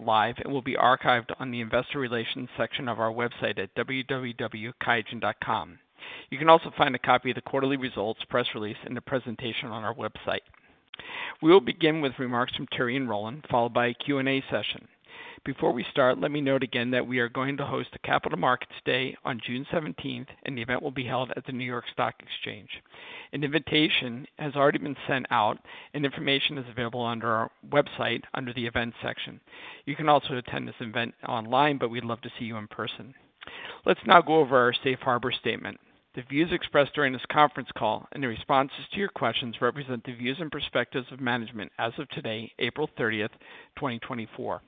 Live and will be archived on the investor relations section of our website at www.qiagen.com. You can also find a copy of the quarterly results, press release, and the presentation on our website. We will begin with remarks from Thierry and Roland, followed by a Q&A session. Before we start, let me note again that we are going to host a Capital Markets Day on June 17, and the event will be held at the New York Stock Exchange. An invitation has already been sent out, and information is available under our website, under the Events section. You can also attend this event online, but we'd love to see you in person. Let's now go over our safe harbor statement. The views expressed during this conference call and the responses to your questions represent the views and perspectives of management as of today, April 30, 2024.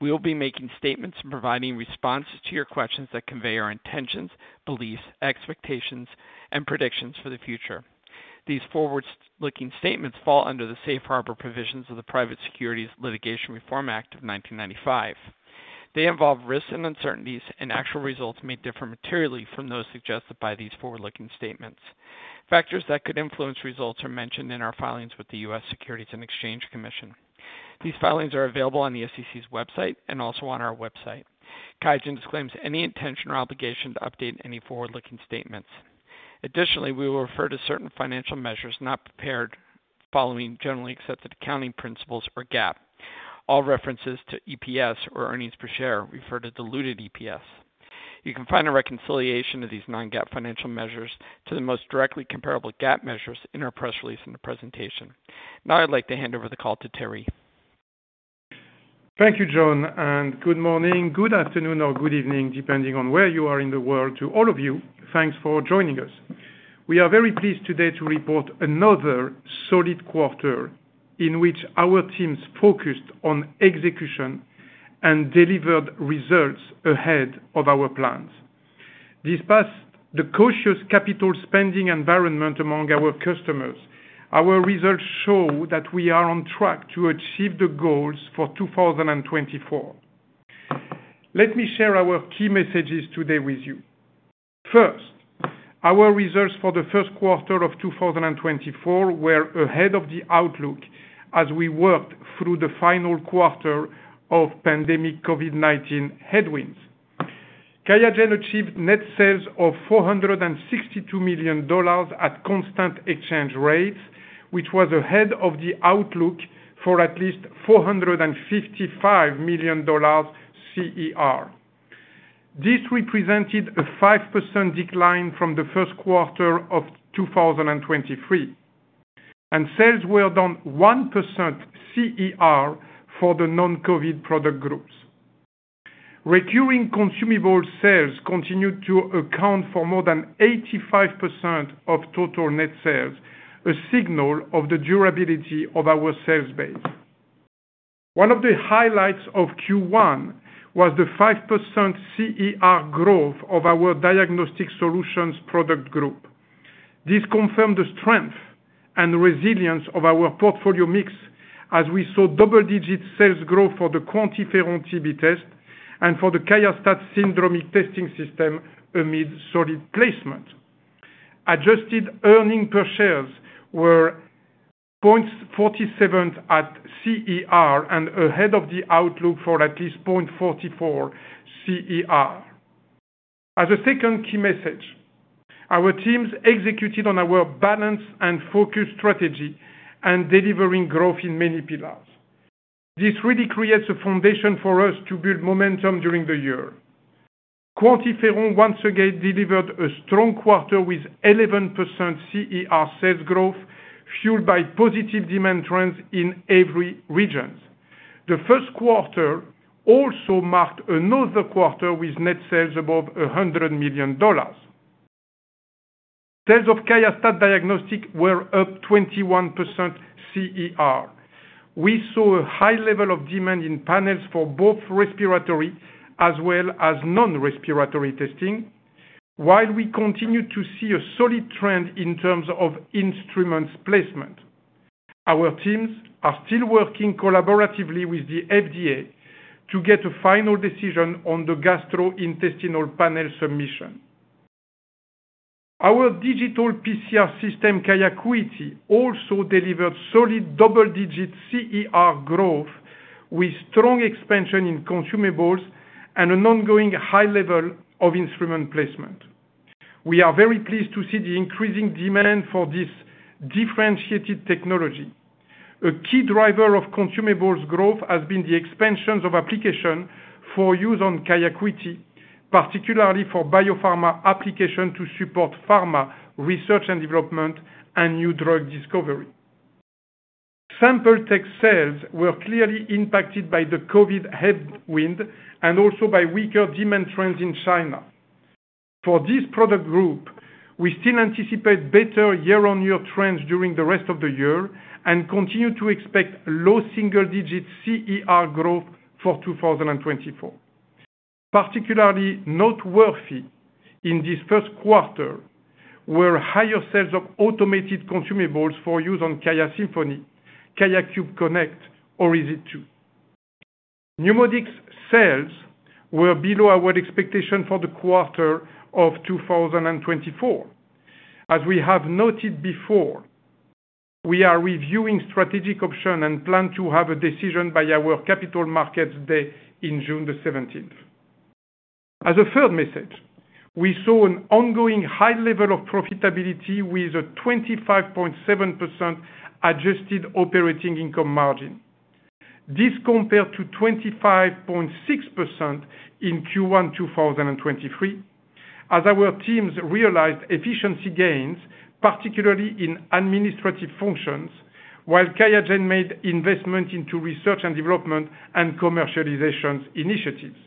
We will be making statements and providing responses to your questions that convey our intentions, beliefs, expectations, and predictions for the future. These forward-looking statements fall under the safe harbor provisions of the Private Securities Litigation Reform Act of 1995. They involve risks and uncertainties, and actual results may differ materially from those suggested by these forward-looking statements. Factors that could influence results are mentioned in our filings with the U.S. Securities and Exchange Commission. These filings are available on the SEC's website and also on our website. QIAGEN disclaims any intention or obligation to update any forward-looking statements. Additionally, we will refer to certain financial measures not prepared following generally accepted accounting principles or GAAP. All references to EPS or earnings per share refer to diluted EPS. You can find a reconciliation of these non-GAAP financial measures to the most directly comparable GAAP measures in our press release and the presentation. Now I'd like to hand over the call to Thierry. Thank you, John, and good morning, good afternoon, or good evening, depending on where you are in the world. To all of you, thanks for joining us. We are very pleased today to report another solid quarter in which our teams focused on execution and delivered results ahead of our plans. Despite the cautious capital spending environment among our customers, our results show that we are on track to achieve the goals for 2024. Let me share our key messages today with you. First, our results for the first quarter of 2024 were ahead of the outlook as we worked through the final quarter of pandemic COVID-19 headwinds. QIAGEN achieved net sales of $462 million at constant exchange rates, which was ahead of the outlook for at least $455 million CER. This represented a 5% decline from the first quarter of 2023, and sales were down 1% CER for the non-COVID product groups. Recurring consumable sales continued to account for more than 85% of total net sales, a signal of the durability of our sales base. One of the highlights of Q1 was the 5% CER growth of our Diagnostic Solutions product group. This confirmed the strength and resilience of our portfolio mix as we saw double-digit sales growth for the QuantiFERON TB test and for the QIAstat syndromic testing system amid solid placement. Adjusted earnings per share was 0.47 at CER and ahead of the outlook for at least 0.44 CER. As a second key message, our teams executed on our balanced and focused strategy and delivering growth in many pillars. This really creates a foundation for us to build momentum during the year. QuantiFERON, once again, delivered a strong quarter with 11% CER sales growth, fueled by positive demand trends in every regions. The first quarter also marked another quarter with net sales above $100 million. Sales of QIAstat-Dx were up 21% CER. We saw a high level of demand in panels for both respiratory as well as non-respiratory testing, while we continued to see a solid trend in terms of instruments placement. Our teams are still working collaboratively with the FDA to get a final decision on the gastrointestinal panel submission. Our digital PCR system, QIAcuity, also delivered solid double-digit CER growth, with strong expansion in consumables and an ongoing high level of instrument placement. We are very pleased to see the increasing demand for this differentiated technology. A key driver of consumables growth has been the expansions of application for use on QIAcuity, particularly for biopharma application to support pharma research and development and new drug discovery. Sample tech sales were clearly impacted by the COVID headwind and also by weaker demand trends in China. For this product group, we still anticipate better year-on-year trends during the rest of the year and continue to expect low single-digit CER growth for 2024. Particularly noteworthy in this first quarter were higher sales of automated consumables for use on QIAsymphony, QIAcube Connect, or EZ1. NeuMoDx sales were below our expectation for the quarter of 2024. As we have noted before, we are reviewing strategic options and plan to have a decision by our Capital Markets Day in June 17. As a third message, we saw an ongoing high level of profitability with a 25.7% adjusted operating income margin. This compared to 25.6% in Q1 2023, as our teams realized efficiency gains, particularly in administrative functions, while QIAGEN made investment into research and development and commercialization initiatives.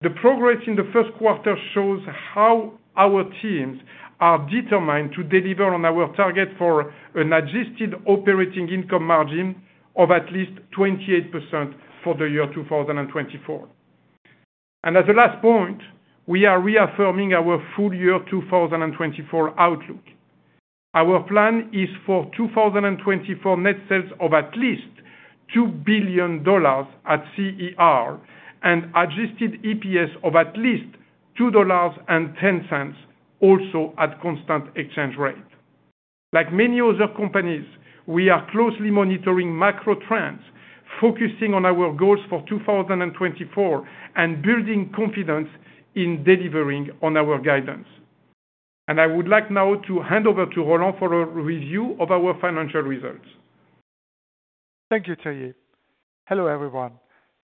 The progress in the first quarter shows how our teams are determined to deliver on our target for an adjusted operating income margin of at least 28% for the year 2024. And as a last point, we are reaffirming our full year 2024 outlook. Our plan is for 2024 net sales of at least $2 billion at CER, and adjusted EPS of at least $2.10, also at constant exchange rate. Like many other companies, we are closely monitoring macro trends, focusing on our goals for 2024, and building confidence in delivering on our guidance. I would like now to hand over to Roland for a review of our financial results. Thank you, Thierry. Hello, everyone.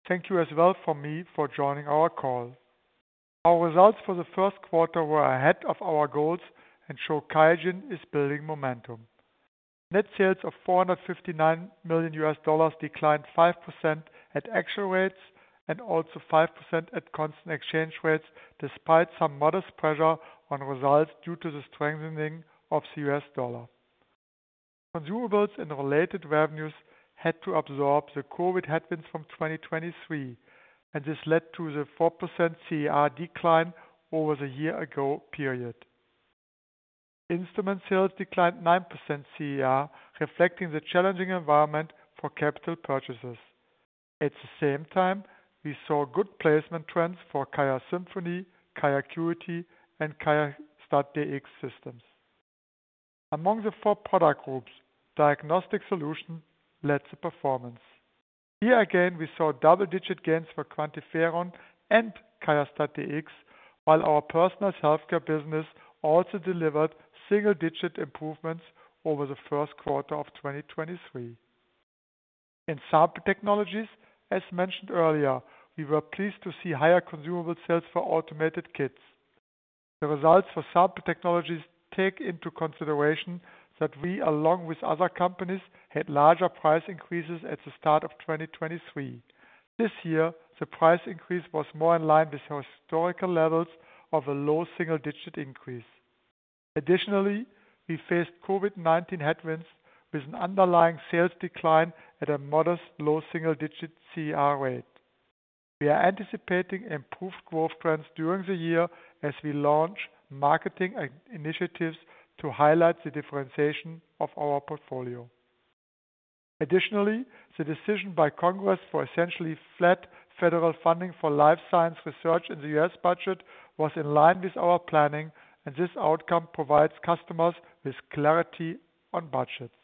Thank you as well from me for joining our call. Our results for the first quarter were ahead of our goals and show QIAGEN is building momentum. Net sales of $459 million declined 5% at actual rates, and also 5% at constant exchange rates, despite some modest pressure on results due to the strengthening of the US dollar. Consumables and related revenues had to absorb the COVID headwinds from 2023, and this led to the 4% CER decline over the year ago period. Instrument sales declined 9% CER, reflecting the challenging environment for capital purchases. At the same time, we saw good placement trends for QIAsymphony, QIAcuity, and QIAstat-Dx systems. Among the four product groups, Diagnostic Solutions led the performance. Here again, we saw double-digit gains for QuantiFERON and QIAstat-Dx, while our Personalized Healthcare business also delivered single-digit improvements over the first quarter of 2023. In Sample Technologies, as mentioned earlier, we were pleased to see higher consumable sales for automated kits. The results for Sample Technologies take into consideration that we, along with other companies, had larger price increases at the start of 2023. This year, the price increase was more in line with historical levels of a low single-digit increase. Additionally, we faced COVID-19 headwinds with an underlying sales decline at a modest low single-digit CER rate. We are anticipating improved growth trends during the year as we launch marketing initiatives to highlight the differentiation of our portfolio. Additionally, the decision by Congress for essentially flat federal funding for life science research in the U.S. budget was in line with our planning, and this outcome provides customers with clarity on budgets.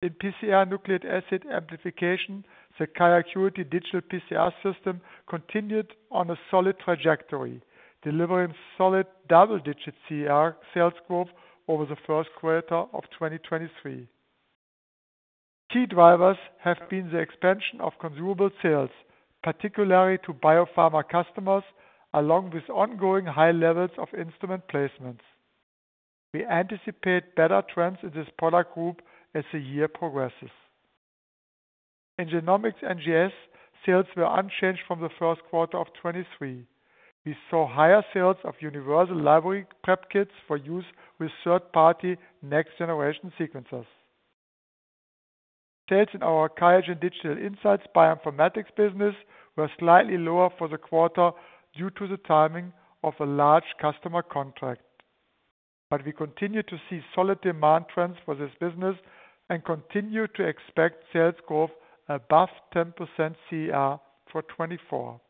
In PCR / Nucleic Acid Amplification, the QIAcuity Digital PCR system continued on a solid trajectory, delivering solid double-digit CER sales growth over the first quarter of 2023. Key drivers have been the expansion of consumable sales, particularly to biopharma customers, along with ongoing high levels of instrument placements. We anticipate better trends in this product group as the year progresses. In Genomics / NGS, sales were unchanged from the first quarter of 2023. We saw higher sales of universal library prep kits for use with third-party next-generation sequencers. Sales in our QIAGEN Digital Insights bioinformatics business were slightly lower for the quarter due to the timing of a large customer contract. But we continue to see solid demand trends for this business and continue to expect sales growth above 10% CER for 2024.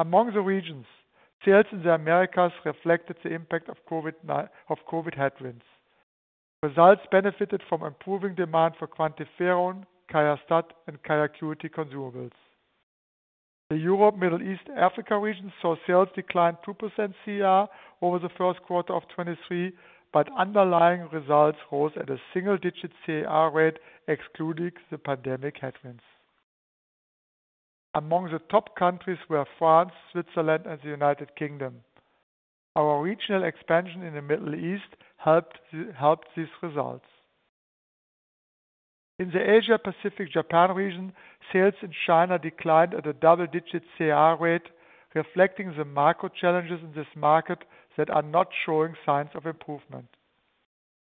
Among the regions, sales in the Americas reflected the impact of COVID, of COVID headwinds. Results benefited from improving demand for QuantiFERON, QIAstat, and QIAcuity consumables. The Europe, Middle East, Africa region saw sales decline 2% CER over the first quarter of 2023, but underlying results rose at a single-digit CER rate, excluding the pandemic headwinds. Among the top countries were France, Switzerland, and the United Kingdom. Our regional expansion in the Middle East helped these results. In the Asia Pacific Japan region, sales in China declined at a double-digit CER rate, reflecting the macro challenges in this market that are not showing signs of improvement.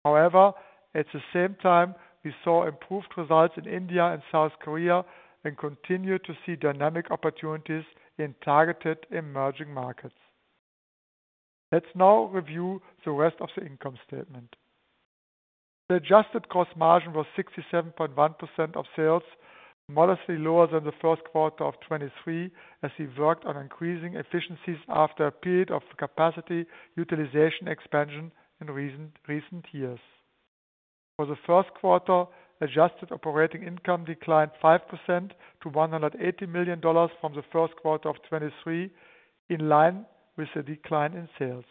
However, at the same time, we saw improved results in India and South Korea and continued to see dynamic opportunities in targeted emerging markets. Let's now review the rest of the income statement. The adjusted gross margin was 67.1% of sales, modestly lower than the first quarter of 2023, as we worked on increasing efficiencies after a period of capacity utilization expansion in recent years. For the first quarter, adjusted operating income declined 5% to $180 million from the first quarter of 2023, in line with the decline in sales.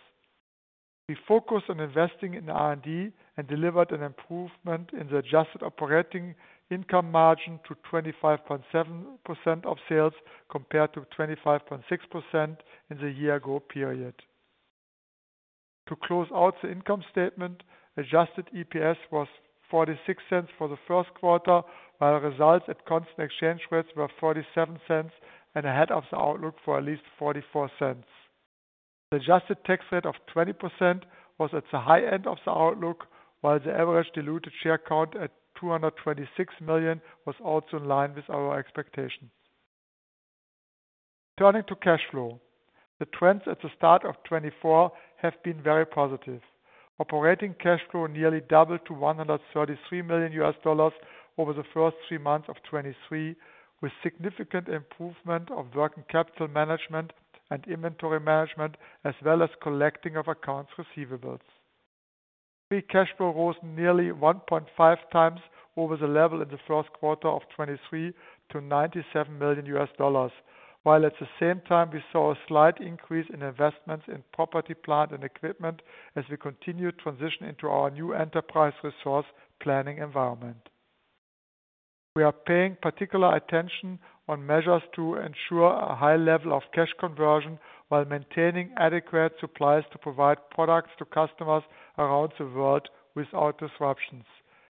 We focused on investing in R&D and delivered an improvement in the adjusted operating income margin to 25.7% of sales, compared to 25.6% in the year ago period. To close out the income statement, adjusted EPS was $0.46 for the first quarter, while results at constant exchange rates were $0.47 and ahead of the outlook for at least $0.44. The adjusted tax rate of 20% was at the high end of the outlook, while the average diluted share count at 226 million was also in line with our expectations. Turning to cash flow. The trends at the start of 2024 have been very positive. Operating cash flow nearly doubled to $133 million over the first three months of 2023, with significant improvement of working capital management and inventory management, as well as collecting of accounts receivables. Free cash flow rose nearly 1.5 times over the level in the first quarter of 2023 to $97 million, while at the same time we saw a slight increase in investments in property, plant, and equipment as we continue to transition into our new enterprise resource planning environment. We are paying particular attention on measures to ensure a high level of cash conversion while maintaining adequate supplies to provide products to customers around the world without disruptions,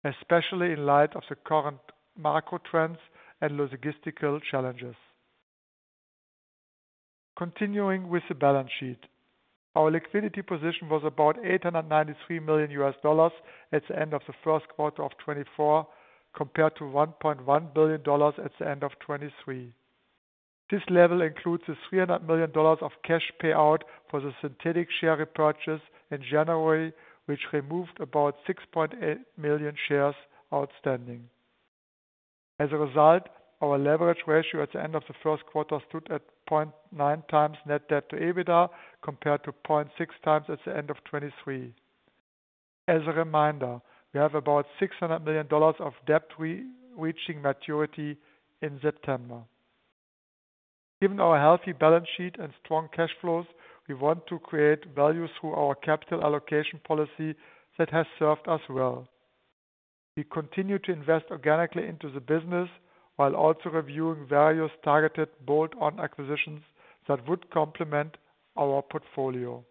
especially in light of the current macro trends and logistical challenges. Continuing with the balance sheet. Our liquidity position was about $893 million at the end of the first quarter of 2024, compared to $1.1 billion at the end of 2023. This level includes the $300 million of cash payout for the synthetic share repurchase in January, which removed about 6.8 million shares outstanding. As a result, our leverage ratio at the end of the first quarter stood at 0.9 times net debt to EBITDA, compared to 0.6 times at the end of 2023. As a reminder, we have about $600 million of debt reaching maturity in September. Given our healthy balance sheet and strong cash flows, we want to create value through our capital allocation policy that has served us well. We continue to invest organically into the business, while also reviewing various targeted bolt-on acquisitions that would complement our portfolio.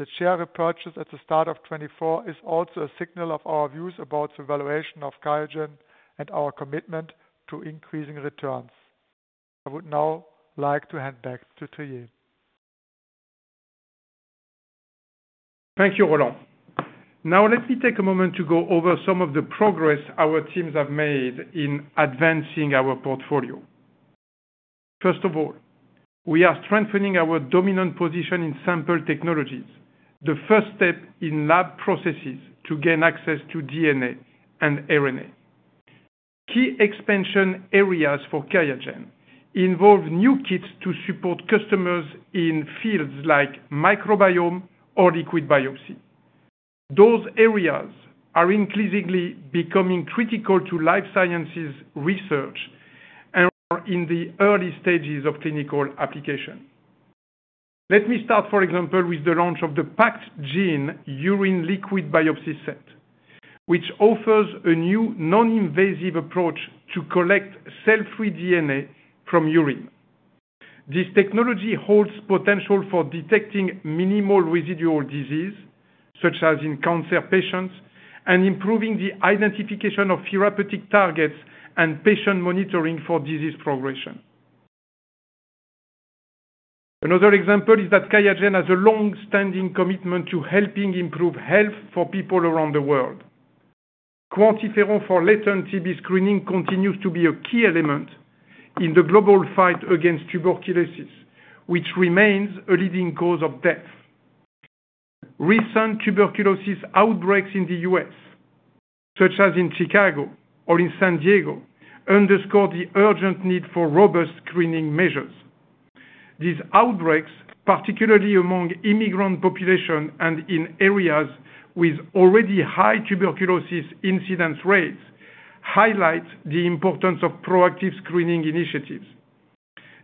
The share repurchase at the start of 2024 is also a signal of our views about the valuation of QIAGEN and our commitment to increasing returns. I would now like to hand back to Thierry. Thank you, Roland. Now, let me take a moment to go over some of the progress our teams have made in advancing our portfolio. First of all, we are strengthening our dominant position in Sample Technologies, the first step in lab processes to gain access to DNA and RNA. Key expansion areas for QIAGEN involve new kits to support customers in fields like microbiome or liquid biopsy. Those areas are increasingly becoming critical to life sciences research and are in the early stages of clinical application. Let me start, for example, with the launch of the PAXgene Urine Liquid Biopsy set, which offers a new non-invasive approach to collect cell-free DNA from urine. This technology holds potential for detecting minimal residual disease, such as in cancer patients, and improving the identification of therapeutic targets and patient monitoring for disease progression. Another example is that QIAGEN has a long-standing commitment to helping improve health for people around the world. QuantiFERON for latent TB screening continues to be a key element in the global fight against tuberculosis, which remains a leading cause of death. Recent tuberculosis outbreaks in the U.S., such as in Chicago or in San Diego, underscore the urgent need for robust screening measures. These outbreaks, particularly among immigrant population and in areas with already high tuberculosis incidence rates, highlight the importance of proactive screening initiatives.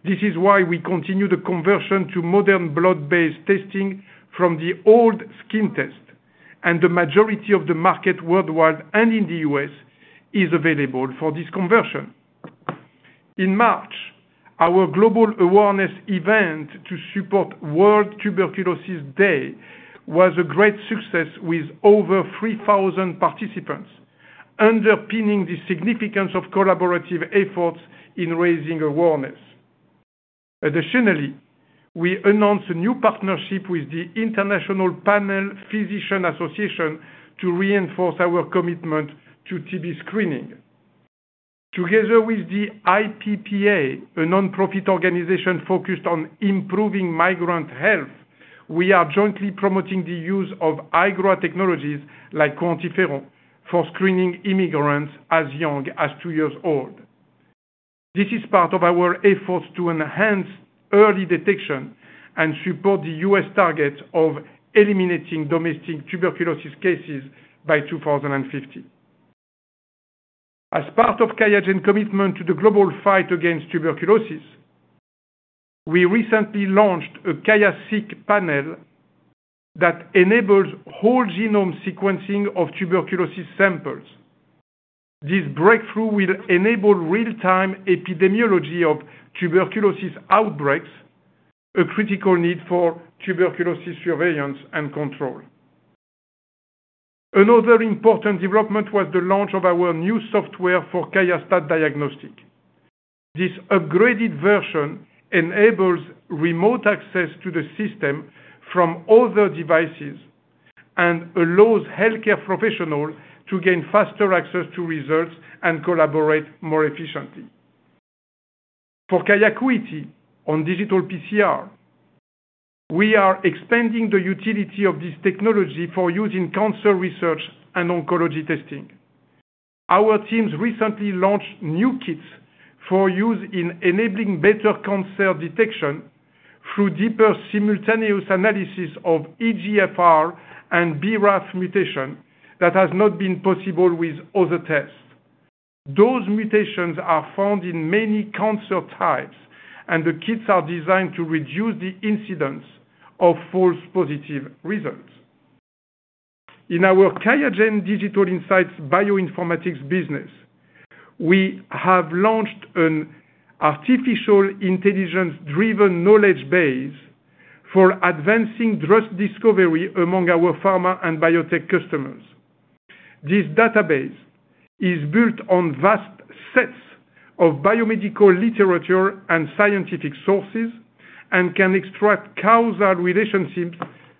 This is why we continue the conversion to modern blood-based testing from the old skin test, and the majority of the market worldwide and in the U.S. is available for this conversion. In March, our global awareness event to support World Tuberculosis Day was a great success, with over 3,000 participants, underpinning the significance of collaborative efforts in raising awareness. Additionally, we announced a new partnership with the International Panel Physicians Association to reinforce our commitment to TB screening. Together with the IPPA, a nonprofit organization focused on improving migrant health. We are jointly promoting the use of high-growth technologies like QuantiFERON for screening immigrants as young as 2 years old. This is part of our efforts to enhance early detection and support the U.S. target of eliminating domestic tuberculosis cases by 2050. As part of QIAGEN commitment to the global fight against tuberculosis, we recently launched a QIAseq panel that enables whole genome sequencing of tuberculosis samples. This breakthrough will enable real-time epidemiology of tuberculosis outbreaks, a critical need for tuberculosis surveillance and control. Another important development was the launch of our new software for QIAstat-Dx. This upgraded version enables remote access to the system from other devices and allows healthcare professional to gain faster access to results and collaborate more efficiently. For QIAcuity on digital PCR, we are expanding the utility of this technology for use in cancer research and oncology testing. Our teams recently launched new kits for use in enabling better cancer detection through deeper simultaneous analysis of EGFR and BRAF mutation that has not been possible with other tests. Those mutations are found in many cancer types, and the kits are designed to reduce the incidence of false positive results. In our QIAGEN Digital Insights bioinformatics business, we have launched an artificial intelligence-driven knowledge base for advancing drug discovery among our pharma and biotech customers. This database is built on vast sets of biomedical literature and scientific sources, and can extract causal relationships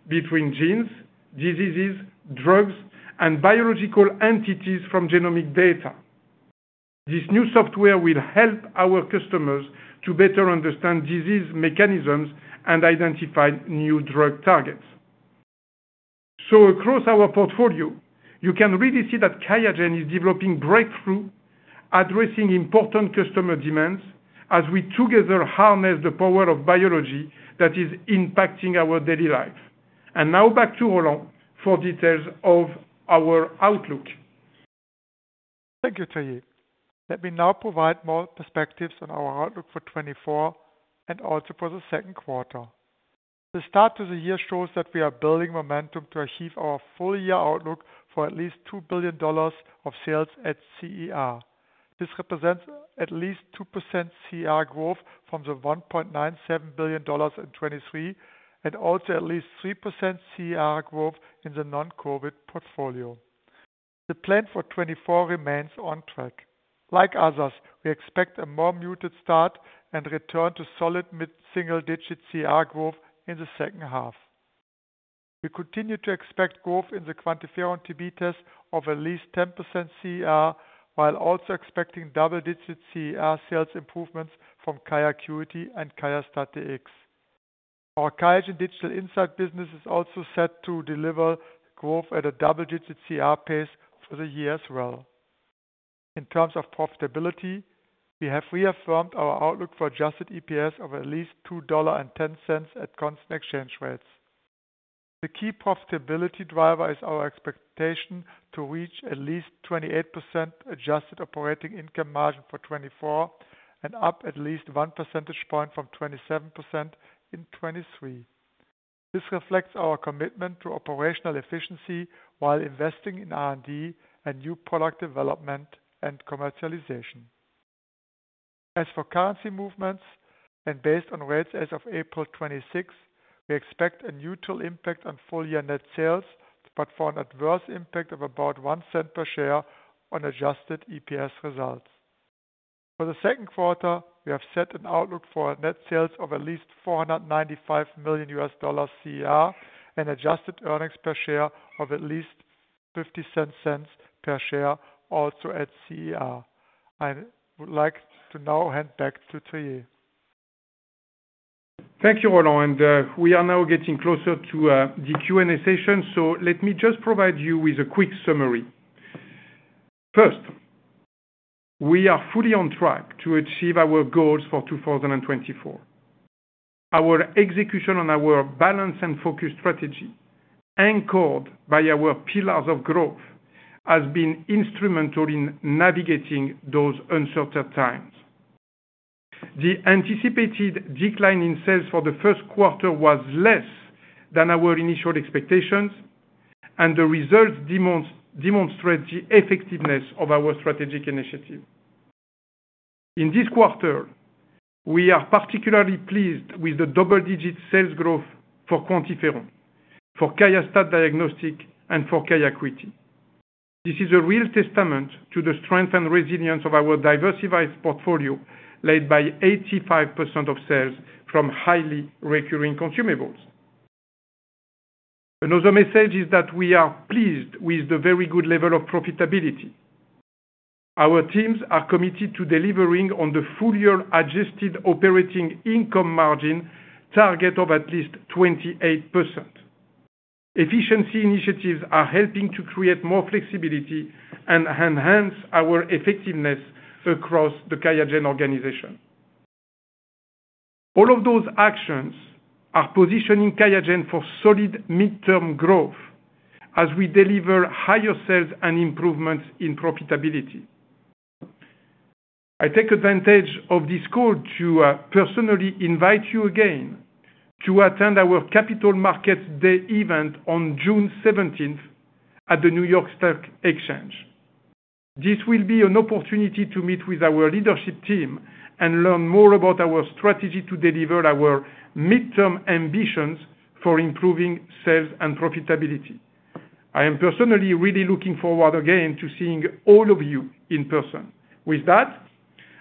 between genes, diseases, drugs, and biological entities from genomic data. This new software will help our customers to better understand disease mechanisms and identify new drug targets. So across our portfolio, you can really see that QIAGEN is developing breakthrough, addressing important customer demands, as we together harness the power of biology that is impacting our daily life. And now back to Roland for details of our outlook. Thank you, Thierry. Let me now provide more perspectives on our outlook for 2024 and also for the second quarter. The start to the year shows that we are building momentum to achieve our full year outlook for at least $2 billion of sales at CER. This represents at least 2% CER growth from the $1.97 billion in 2023, and also at least 3% CER growth in the non-COVID portfolio. The plan for 2024 remains on track. Like others, we expect a more muted start and return to solid mid-single digit CER growth in the second half. We continue to expect growth in the QuantiFERON TB test of at least 10% CER, while also expecting double-digit CER sales improvements from QIAcuity and QIAstat-Dx. Our QIAGEN Digital Insights business is also set to deliver growth at a double-digit CER pace for the year as well. In terms of profitability, we have reaffirmed our outlook for adjusted EPS of at least $2.10 at constant exchange rates. The key profitability driver is our expectation to reach at least 28% adjusted operating income margin for 2024, and up at least one percentage point from 27% in 2023. This reflects our commitment to operational efficiency while investing in R&D and new product development and commercialization. As for currency movements, and based on rates as of April 26, we expect a neutral impact on full-year net sales, but for an adverse impact of about $0.01 per share on adjusted EPS results. For the second quarter, we have set an outlook for net sales of at least $495 million CER, and adjusted earnings per share of at least $0.50 per share, also at CER. I would like to now hand back to Thierry. Thank you, Roland. We are now getting closer to the Q&A session, so let me just provide you with a quick summary. First, we are fully on track to achieve our goals for 2024. Our execution on our balance and focus strategy, anchored by our pillars of growth, has been instrumental in navigating those uncertain times. The anticipated decline in sales for the first quarter was less than our initial expectations, and the results demonstrate the effectiveness of our strategic initiative. In this quarter, we are particularly pleased with the double-digit sales growth for QuantiFERON, for QIAstat-Dx, and for QIAcuity. This is a real testament to the strength and resilience of our diversified portfolio, led by 85% of sales from highly recurring consumables. Another message is that we are pleased with the very good level of profitability. Our teams are committed to delivering on the full year adjusted operating income margin target of at least 28%. Efficiency initiatives are helping to create more flexibility and enhance our effectiveness across the QIAGEN organization. All of those actions are positioning QIAGEN for solid midterm growth as we deliver higher sales and improvements in profitability. I take advantage of this call to personally invite you again to attend our Capital Markets Day event on June seventeenth, at the New York Stock Exchange. This will be an opportunity to meet with our leadership team and learn more about our strategy to deliver our midterm ambitions for improving sales and profitability. I am personally really looking forward again to seeing all of you in person. With that,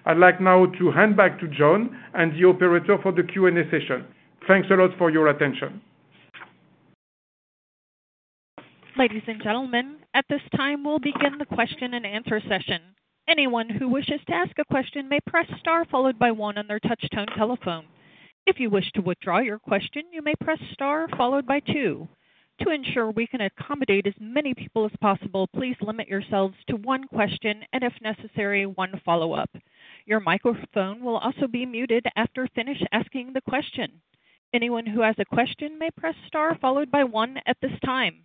I'd like now to hand back to John and the operator for the Q&A session. Thanks a lot for your attention. Ladies and gentlemen, at this time, we'll begin the question and answer session. Anyone who wishes to ask a question may press star, followed by one on their touchtone telephone. If you wish to withdraw your question, you may press star followed by two. To ensure we can accommodate as many people as possible, please limit yourselves to one question, and if necessary, one follow-up. Your microphone will also be muted after you finish asking the question. Anyone who has a question may press star, followed by one at this time.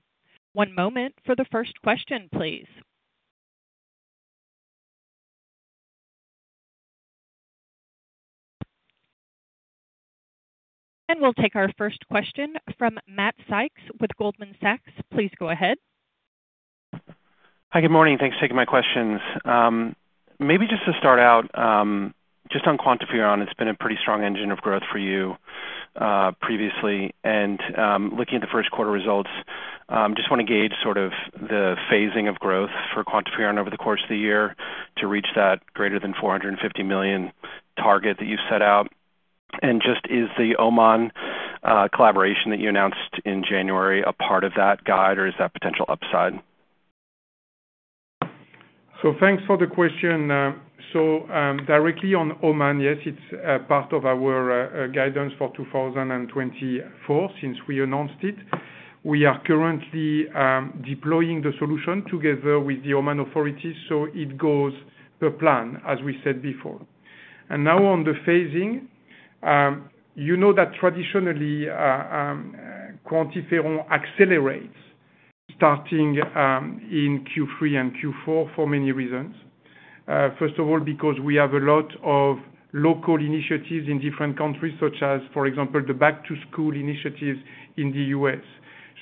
One moment for the first question, please. We'll take our first question from Matt Sykes with Goldman Sachs. Please go ahead. Hi, good morning. Thanks for taking my questions. Maybe just to start out, just on QuantiFERON, it's been a pretty strong engine of growth for you, previously. Looking at the first quarter results, just wanna gauge sort of the phasing of growth for QuantiFERON over the course of the year to reach that greater than $450 million target that you've set out. Just, is the Oman collaboration that you announced in January, a part of that guide, or is that potential upside? So thanks for the question. So, directly on Oman, yes, it's a part of our guidance for 2024 since we announced it. We are currently deploying the solution together with the Oman authorities, so it goes per plan, as we said before. And now on the phasing, you know that traditionally, QuantiFERON accelerates starting in Q3 and Q4 for many reasons. First of all, because we have a lot of local initiatives in different countries, such as, for example, the back-to-school initiatives in the U.S.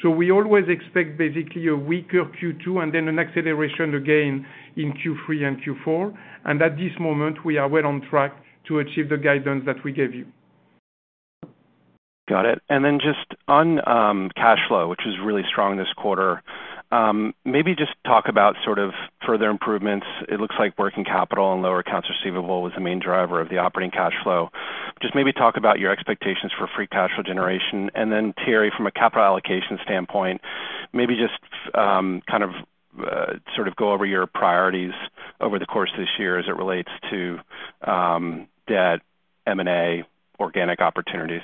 So we always expect basically a weaker Q2, and then an acceleration again in Q3 and Q4. And at this moment, we are well on track to achieve the guidance that we gave you. Got it. Then just on cash flow, which was really strong this quarter, maybe just talk about sort of further improvements. It looks like working capital and lower accounts receivable was the main driver of the operating cash flow. Just maybe talk about your expectations for free cash flow generation, and then Thierry, from a capital allocation standpoint, maybe just kind of sort of go over your priorities over the course of this year as it relates to debt, M&A, organic opportunities.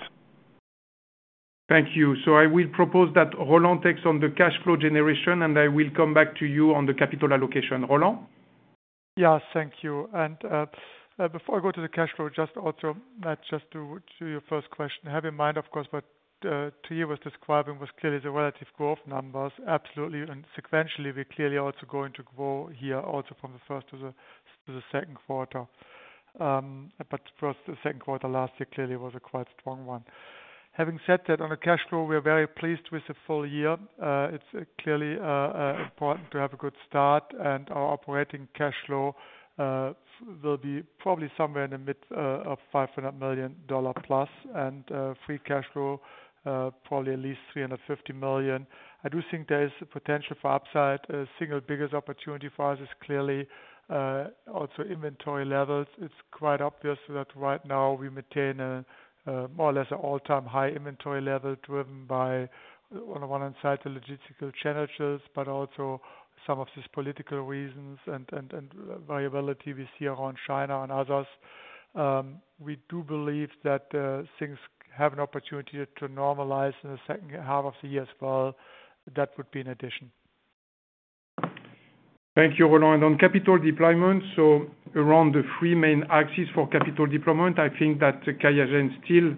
Thank you. So I will propose that Roland takes on the cash flow generation, and I will come back to you on the capital allocation. Roland? Yeah, thank you. Before I go to the cash flow, just also, Matt, just to your first question, have in mind, of course, what Thierry was describing was clearly the relative growth numbers. Absolutely, and sequentially, we're clearly also going to grow here, also from the first to the second quarter. But first, the second quarter last year clearly was a quite strong one. Having said that, on a cash flow, we are very pleased with the full year. It's clearly important to have a good start, and our operating cash flow will be probably somewhere in the mid of $500 million plus, and free cash flow probably at least $350 million. I do think there is a potential for upside. Single biggest opportunity for us is clearly also inventory levels. It's quite obvious that right now we maintain a more or less all-time high inventory level, driven by, on the one hand side, the logistical challenges, but also some of these political reasons and viability we see around China and others. We do believe that things have an opportunity to normalize in the second half of the year as well. That would be an addition. Thank you, Roland. On capital deployment, so around the three main axes for capital deployment, I think that QIAGEN still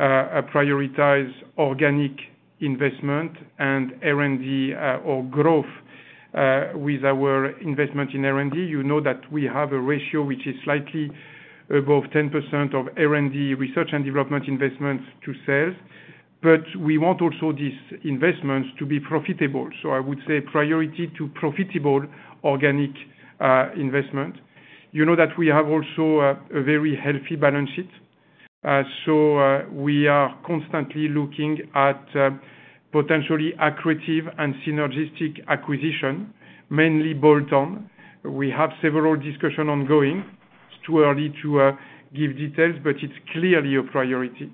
prioritize organic investment and R&D, or growth, with our investment in R&D. You know that we have a ratio which is slightly above 10% of R&D, research and development investments to sales, but we want also these investments to be profitable. So I would say priority to profitable organic investment. You know that we have also a very healthy balance sheet. So we are constantly looking at potentially accretive and synergistic acquisition, mainly bolt-on. We have several discussion ongoing. It's too early to give details, but it's clearly a priority.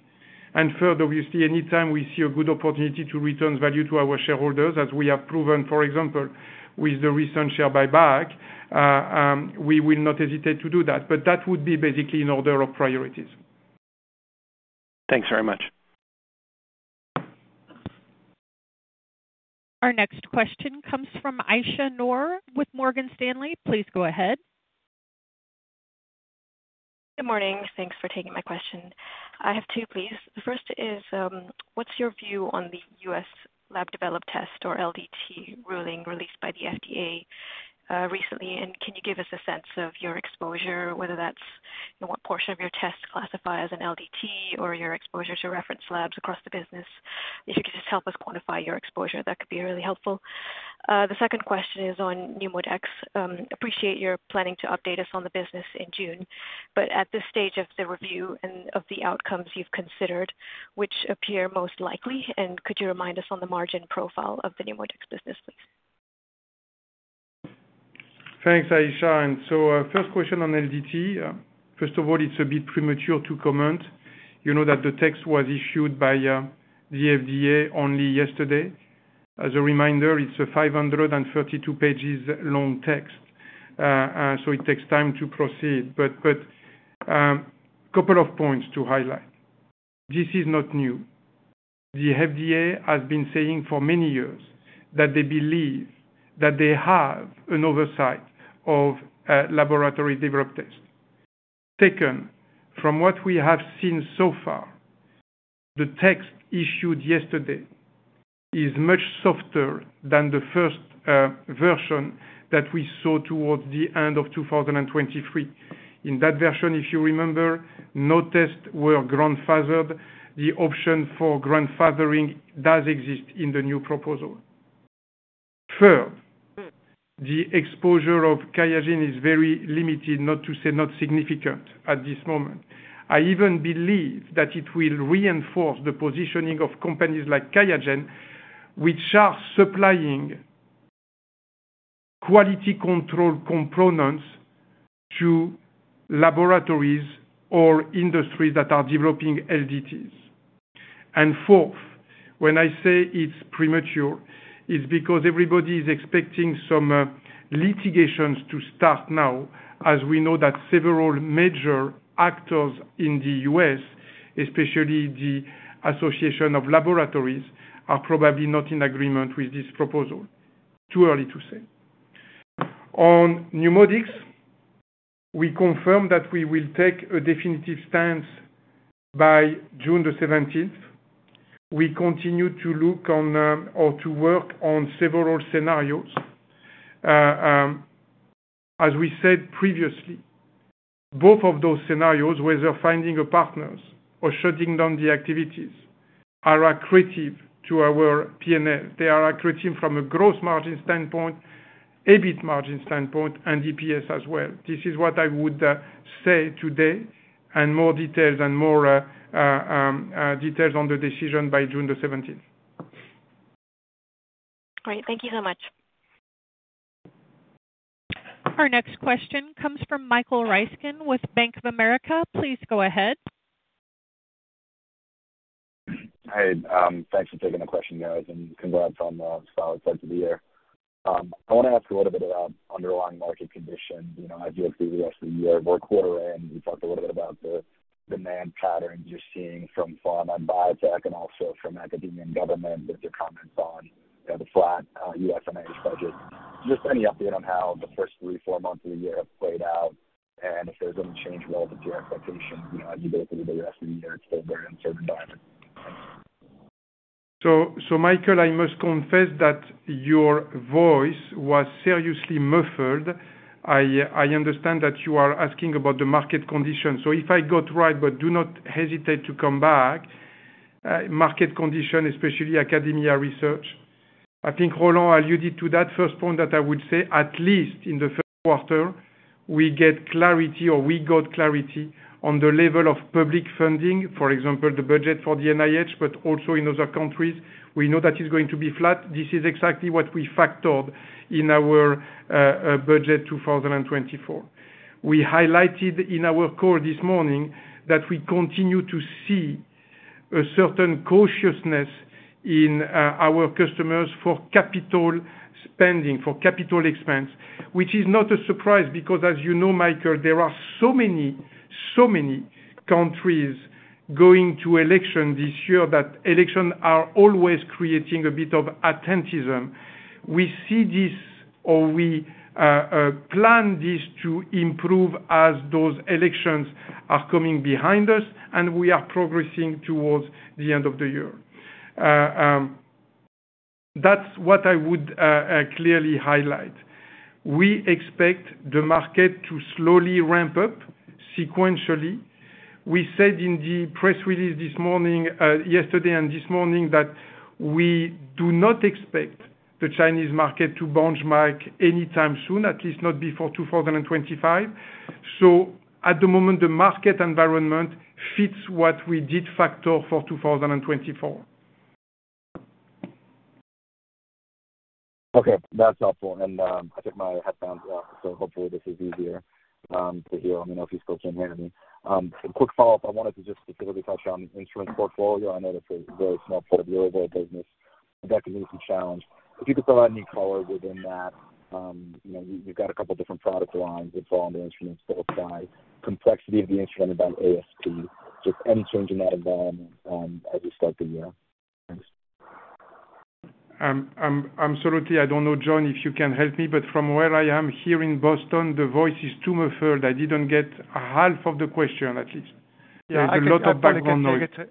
Third, obviously, anytime we see a good opportunity to return value to our shareholders, as we have proven, for example, with the recent share buyback, we will not hesitate to do that, but that would be basically an order of priorities. Thanks very much. Our next question comes from Aysha Noor with Morgan Stanley. Please go ahead. Good morning. Thanks for taking my question. I have two, please. The first is, what's your view on the U.S. lab developed test or LDT ruling released by the FDA, recently? And can you give us a sense of your exposure, whether that's, you know, what portion of your test classify as an LDT or your exposure to reference labs across the business? If you could just help us quantify your exposure, that could be really helpful. The second question is on NeuMoDx. Appreciate you're planning to update us on the business in June, but at this stage of the review and of the outcomes you've considered, which appear most likely, and could you remind us on the margin profile of the NeuMoDx business, please? Thanks, Aisha. And so, first question on LDT. First of all, it's a bit premature to comment. You know that the text was issued by the FDA only yesterday. As a reminder, it's a 532 pages long text. So it takes time to proceed. But, couple of points to highlight: This is not new. The FDA has been saying for many years that they believe that they have an oversight of laboratory developed test. Second, from what we have seen so far, the text issued yesterday is much softer than the first version that we saw towards the end of 2023. In that version, if you remember, no test were grandfathered. The option for grandfathering does exist in the new proposal. Third, the exposure of QIAGEN is very limited, not to say not significant at this moment. I even believe that it will reinforce the positioning of companies like QIAGEN, which are supplying quality control components to laboratories or industries that are developing LDTs. And fourth, when I say it's premature, it's because everybody is expecting some litigations to start now, as we know that several major actors in the U.S., especially the Association of Laboratories, are probably not in agreement with this proposal. Too early to say. On NeuMoDx, we confirm that we will take a definitive stance by June the seventeenth. We continue to look on, or to work on several scenarios. As we said previously, both of those scenarios, whether finding a partners or shutting down the activities, are accretive to our P&L. They are accretive from a gross margin standpoint, EBIT margin standpoint, and DPS as well. This is what I would say today, and more details and more details on the decision by June the seventeenth. Great. Thank you so much. Our next question comes from Michael Ryskin with Bank of America. Please go ahead. Hey, thanks for taking the question, guys, and congrats on solid start to the year. I wanna ask a little bit about underlying market conditions. You know, as you look through the rest of the year, we're a quarter in, you talked a little bit about the demand patterns you're seeing from pharma and biotech, and also from academia and government with your comments on, you know, the flat U.S. NIH budget. Just any update on how the first three, four months of the year have played out, and if there's any change relevant to your expectation, you know, as you go through the rest of the year, it's still very uncertain environment. Thanks. Michael, I must confess that your voice was seriously muffled. I understand that you are asking about the market conditions. So if I got right, but do not hesitate to come back, market condition, especially academia research. I think Roland alluded to that first point, that I would say, at least in the first quarter, we get clarity, or we got clarity on the level of public funding, for example, the budget for the NIH, but also in other countries. We know that it's going to be flat. This is exactly what we factored in our budget 2024. We highlighted in our call this morning that we continue to see a certain cautiousness in our customers for capital spending, for capital expense, which is not a surprise, because as you know, Michael, there are so many, so many countries going to elections this year, that elections are always creating a bit of hesitancy. We see this, or we plan this to improve as those elections are coming behind us, and we are progressing towards the end of the year. That's what I would clearly highlight. We expect the market to slowly ramp up sequentially. We said in the press release this morning, yesterday and this morning, that we do not expect the Chinese market to rebound anytime soon, at least not before 2025. At the moment, the market environment fits what we did factor for 2024. Okay, that's helpful. And I took my headphones off, so hopefully this is easier to hear. Let me know if you still can't hear me. A quick follow-up. I wanted to just specifically touch on the instrument portfolio. I know that's a very small part of your overall business, but that can be some challenge. If you could provide any color within that, you know, you've got a couple different product lines involved in instruments that apply complexity of the instrument by ASP, just any change in that environment, as you start the year? Thanks. Absolutely. I don't know, John, if you can help me, but from where I am here in Boston, the voice is too muffled. I didn't get half of the question, at least. There's a lot of background noise. Yeah,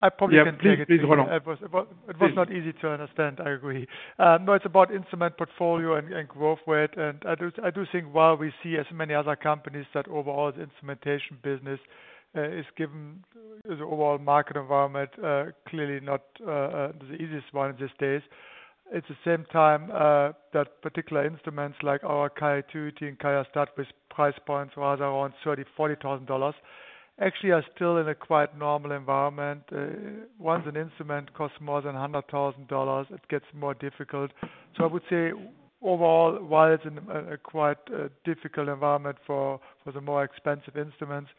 I can probably take it Yeah, please, please, Roland. It was. Please. It was not easy to understand, I agree. No, it's about instrument portfolio and growth rate. And I do think while we see as many other companies, that overall the instrumentation business is given the overall market environment clearly not the easiest one these days. At the same time, that particular instruments like our QIAcuity and QIAstat, with price points rather around $30,000-$40,000, actually are still in a quite normal environment. Once an instrument costs more than $100,000, it gets more difficult. So I would say overall, while it's in a quite difficult environment for the more expensive instruments,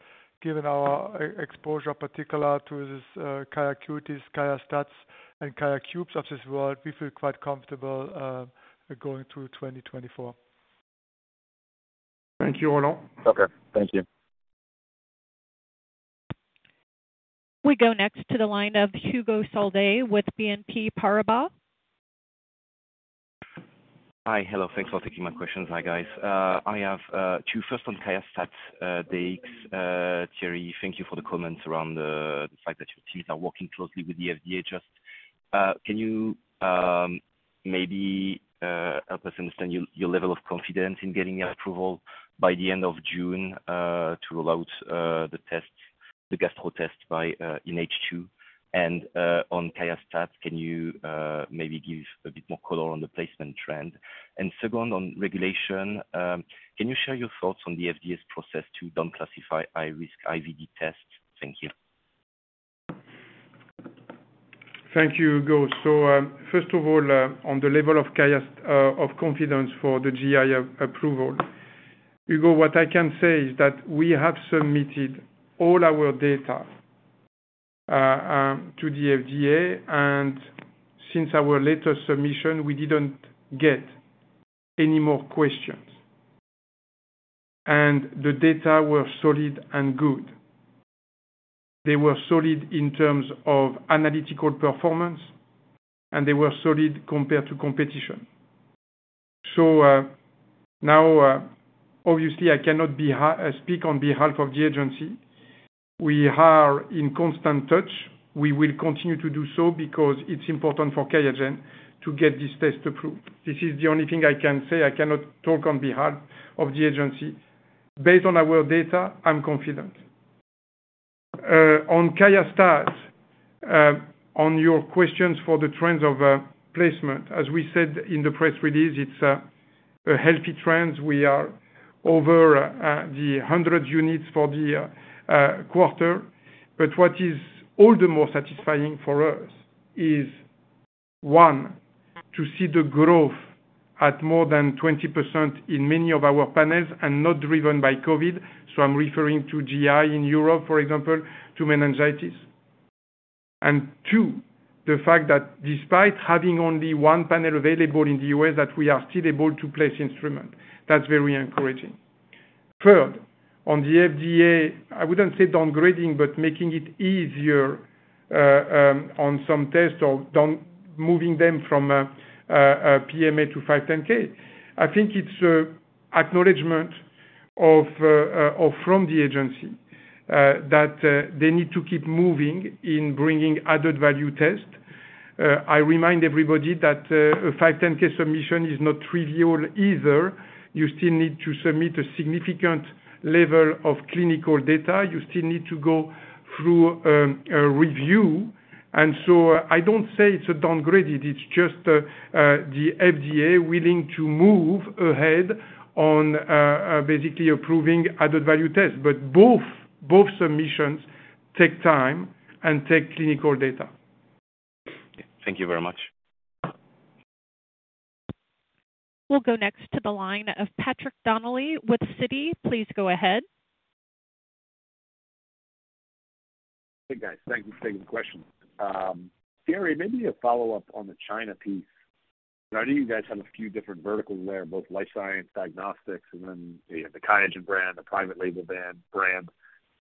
given our exposure particular to this QIAcuity, QIAstats, and QIAcubes of this world, we feel quite comfortable going through 2024. Thank you, Roland. Okay. Thank you. We go next to the line of Hugo Solvet with BNP Paribas. Hi. Hello, thanks for taking my questions. Hi, guys. I have two. First, on QIAstat, Thierry, thank you for the comments around the fact that your teams are working closely with the FDA. Just, can you maybe help us understand your level of confidence in getting the approval by the end of June to roll out the test, the gastro test by in H2? And on QIAstat, can you maybe give a bit more color on the placement trend? And second, on regulation, can you share your thoughts on the FDA's process to down classify high risk IVD tests? Thank you. Thank you, Hugo. So, first of all, on the level of QIAstat, of confidence for the GI approval, Hugo, what I can say is that we have submitted all our data to the FDA, and since our latest submission, we didn't get any more questions. And the data were solid and good. They were solid in terms of analytical performance, and they were solid compared to competition. So, now, obviously I cannot speak on behalf of the agency. We are in constant touch. We will continue to do so because it's important for QIAGEN to get this test approved. This is the only thing I can say. I cannot talk on behalf of the agency. Based on our data, I'm confident. On QIAstat, on your questions for the trends of placement, as we said in the press release, it's a healthy trend. We are over 100 units for the quarter. But what is all the more satisfying for us is, one, to see the growth at more than 20% in many of our panels, and not driven by COVID. So I'm referring to GI in Europe, for example, to meningitis. And two, the fact that despite having only one panel available in the U.S., that we are still able to place instrument. That's very encouraging. Third, on the FDA, I wouldn't say downgrading, but making it easier on some tests or down-moving them from a PMA to 510(k). I think it's an acknowledgment of, or from the agency, that they need to keep moving in bringing added value test. I remind everybody that a 510(k) submission is not trivial either. You still need to submit a significant level of clinical data. You still need to go through a review. And so I don't say it's a downgraded; it's just the FDA willing to move ahead on basically approving added value test. But both, both submissions take time and take clinical data. Thank you very much. We'll go next to the line of Patrick Donnelly with Citi. Please go ahead. Hey, guys. Thank you for taking the question. Thierry, maybe a follow-up on the China piece. I know you guys have a few different verticals there, both life science, diagnostics, and then the QIAGEN brand, the private label brand.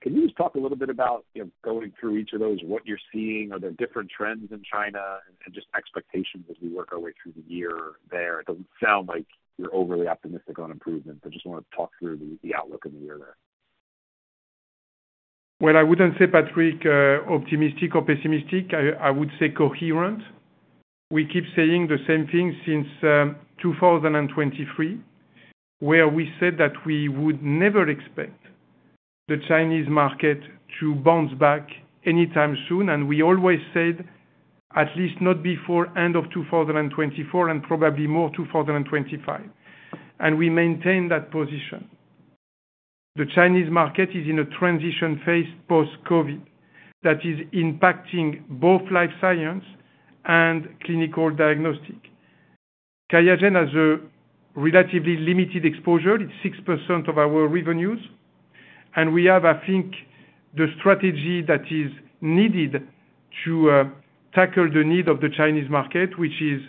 Can you just talk a little bit about, you know, going through each of those, what you're seeing? Are there different trends in China, and just expectations as we work our way through the year there? It doesn't sound like you're overly optimistic on improvement. I just wanna talk through the outlook in the year there. Well, I wouldn't say, Patrick, optimistic or pessimistic. I, I would say coherent. We keep saying the same thing since 2023, where we said that we would never expect the Chinese market to bounce back anytime soon, and we always said at least not before end of 2024, and probably more 2025. And we maintain that position. The Chinese market is in a transition phase post-COVID, that is impacting both life science and clinical diagnostic. QIAGEN has a relatively limited exposure, it's 6% of our revenues, and we have, I think, the strategy that is needed to tackle the need of the Chinese market, which is,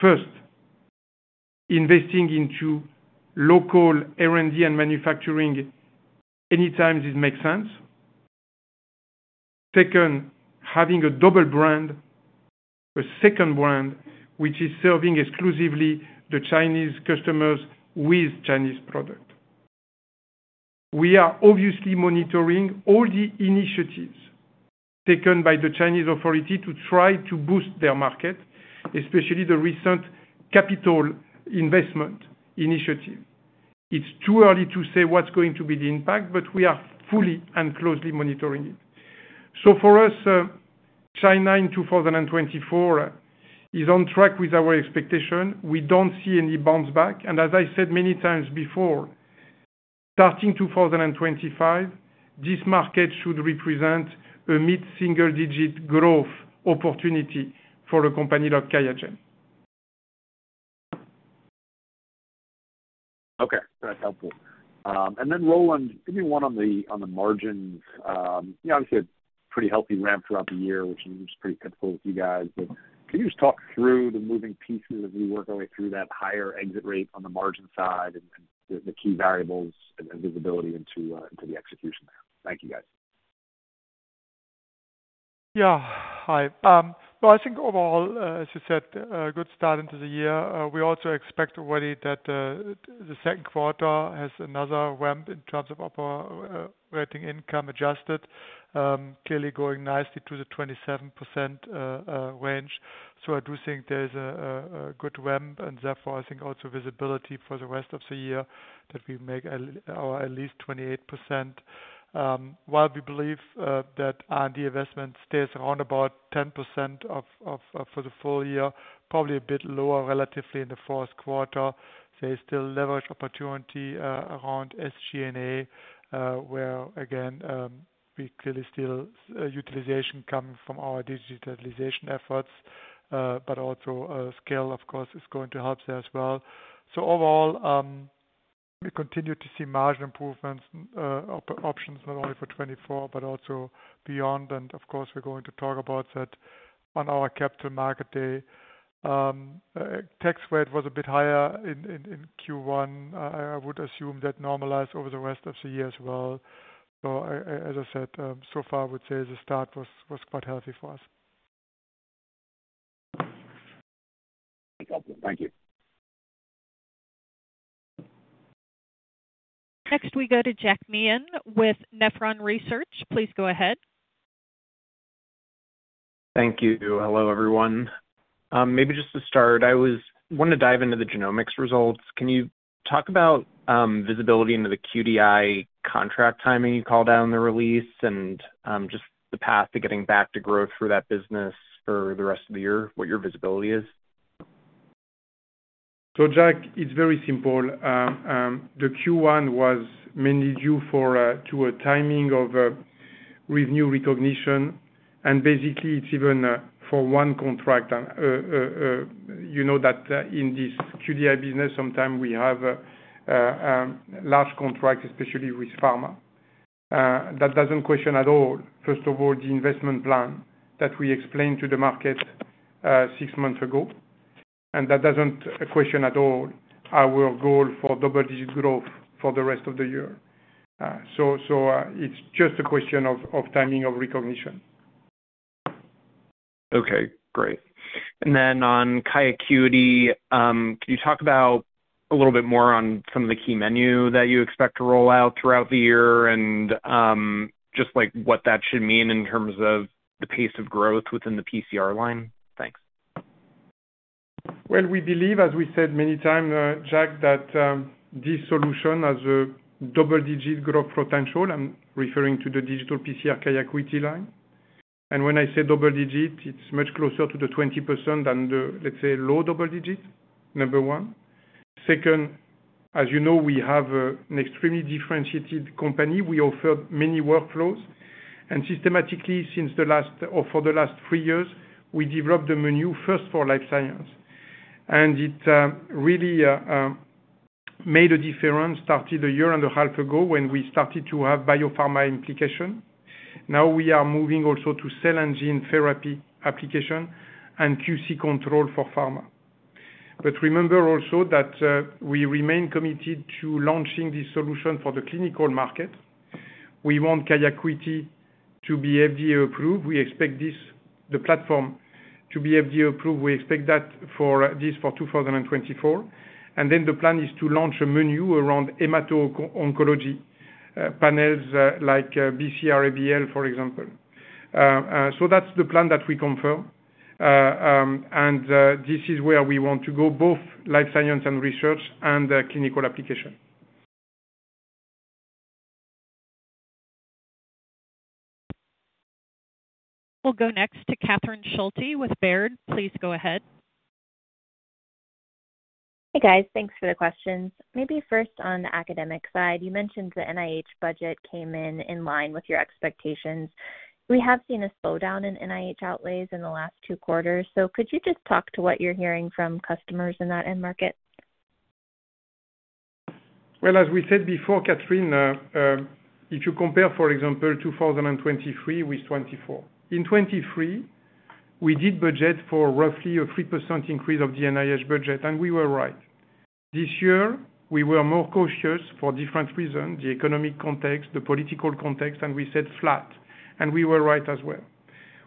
first, investing into local R&D and manufacturing anytime it makes sense. Second, having a double brand, a second brand, which is serving exclusively the Chinese customers with Chinese product. We are obviously monitoring all the initiatives taken by the Chinese authority to try to boost their market, especially the recent capital investment initiative. It's too early to say what's going to be the impact, but we are fully and closely monitoring it. So for us, China in 2024 is on track with our expectation. We don't see any bounce back, and as I said many times before, starting 2025, this market should represent a mid-single digit growth opportunity for a company like QIAGEN. Okay, that's helpful. And then Roland, give me one on the, on the margins. You know, obviously a pretty healthy ramp throughout the year, which is pretty typical with you guys. But can you just talk through the moving pieces as we work our way through that higher exit rate on the margin side and the key variables and visibility into the execution there? Thank you, guys. Yeah. Hi. Well, I think overall, as you said, a good start into the year. We also expect already that the second quarter has another ramp in terms of operating income adjusted, clearly going nicely to the 27% range. So I do think there's a good ramp, and therefore, I think also visibility for the rest of the year, that we make at least 28%. While we believe that R&D investment stays around about 10% of for the full year, probably a bit lower relatively in the fourth quarter, there's still leverage opportunity around SG&A, where again, we clearly still utilization coming from our digitalization efforts, but also scale, of course, is going to help there as well. So overall, we continue to see margin improvements, options not only for 2024, but also beyond. And of course, we're going to talk about that on our capital market day. Tax rate was a bit higher in Q1. I would assume that normalize over the rest of the year as well. As I said, so far, I would say the start was quite healthy for us. Okay, got you. Thank you. Next, we go to Jack Meehan with Nephron Research. Please go ahead. Thank you. Hello, everyone. Maybe just to start, I wanted to dive into the genomics results. Can you talk about visibility into the QDI contract timing you called out in the release, and just the path to getting back to growth for that business for the rest of the year, what your visibility is? So Jack, it's very simple. The Q1 was mainly due to a timing of revenue recognition, and basically, it's even for one contract. And you know that in this QDI business, sometimes we have large contracts, especially with pharma. That doesn't question at all, first of all, the investment plan that we explained to the market six months ago, and that doesn't question at all our goal for double-digit growth for the rest of the year. So it's just a question of timing of recognition. Okay, great. And then on QIAcuity, can you talk about a little bit more on some of the key menu that you expect to roll out throughout the year? And, just like what that should mean in terms of the pace of growth within the PCR line. Thanks. Well, we believe, as we said many times, Jack, that this solution has a double-digit growth potential. I'm referring to the digital PCR QIAcuity line. And when I say double-digit, it's much closer to the 20% than the, let's say, low double-digit, number one. Second, as you know, we have an extremely differentiated company. We offer many workflows, and systematically since the last. or for the last 3 years, we developed a menu first for life science. And it really made a difference, started a year and a half ago when we started to have biopharma implication. Now, we are moving also to cell and gene therapy application and QC control for pharma. But remember also that we remain committed to launching this solution for the clinical market. We want QIAcuity to be FDA approved. We expect this, the platform, to be FDA approved. We expect that for this, for 2024. And then the plan is to launch a menu around hemato-oncology panels, like BCR-ABL, for example. So that's the plan that we confirm, and this is where we want to go, both life science and research, and the clinical application. We'll go next to Catherine Schulte with Baird. Please go ahead. Hey, guys. Thanks for the questions. Maybe first on the academic side, you mentioned the NIH budget came in in line with your expectations. We have seen a slowdown in NIH outlays in the last two quarters. So could you just talk to what you're hearing from customers in that end market? Well, as we said before, Catherine, if you compare, for example, 2023 with 2024. In 2023, we did budget for roughly a 3% increase of the NIH budget, and we were right. This year, we were more cautious for different reasons, the economic context, the political context, and we said flat, and we were right as well.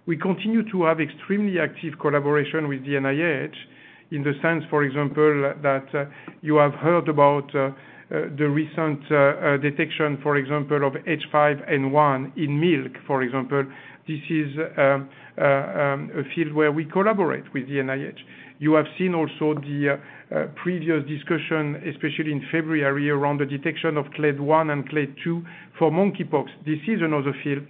We continue to have extremely active collaboration with the NIH in the sense, for example, that you have heard about the recent detection, for example, of H5N1 in milk, for example. This is a field where we collaborate with the NIH. You have seen also the previous discussion, especially in February, around the detection of Clade one and Clade two for monkeypox. This is another field